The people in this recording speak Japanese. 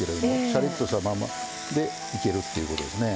シャリッとしたままでいけるっていうことですね。